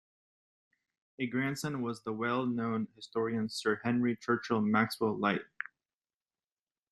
A grandson was the well known historian Sir Henry Churchill Maxwell-Lyte.